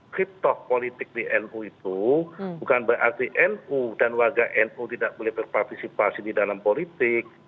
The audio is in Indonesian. kriptok politik di nu itu bukan berarti nu dan warga nu tidak boleh berpartisipasi di dalam politik